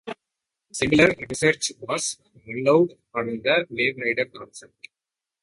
Similar research was followed on the waverider concept.